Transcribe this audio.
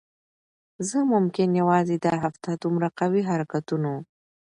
زه ممکن یوازی دا هفته دومره قوي حرکتونو